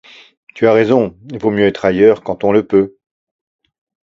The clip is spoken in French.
Tu as raison, vaut mieux être ailleurs, quand on le peut...